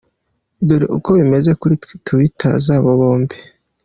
Dore uko bimeze kuri twitter zabo bombi:.